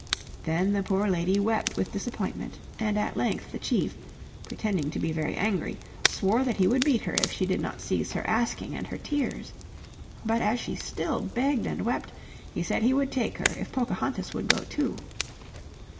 Then the poor lady wept with disappointment and at length the chief, pretending to be very angry, swore that he would beat her if she did not cease her asking and her tears. But as she still begged and wept he said he would take her if Pocahontas would go too.